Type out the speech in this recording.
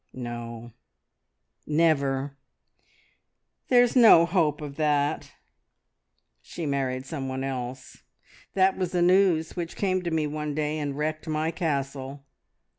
"No, never! There's no hope of that. She married someone else. That was the news which came to me one day and wrecked my castle!"